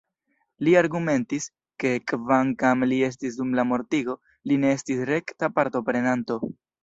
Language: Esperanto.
Li argumentis, ke kvankam li estis dum la mortigo, li ne estis rekta partoprenanto.